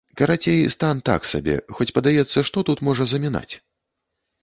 Карацей, стан так сабе, хоць падаецца, што тут можа замінаць?